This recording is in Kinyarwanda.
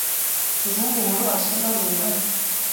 Izindi nkuru wasoma ziri hano